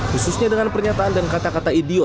khususnya dengan pernyataan dan kata kata idio